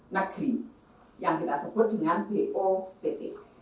negeri yang kita sebut dengan bott